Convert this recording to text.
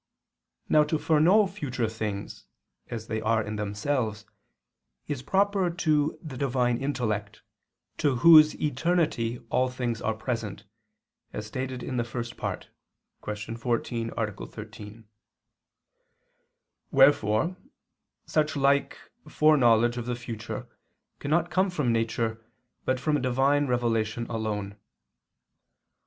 Now, to foreknow future things, as they are in themselves, is proper to the Divine intellect, to Whose eternity all things are present, as stated in the First Part (Q. 14, A. 13). Wherefore such like foreknowledge of the future cannot come from nature, but from Divine revelation alone.